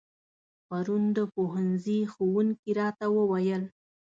پرون د پوهنځي ښوونکي راته و ويل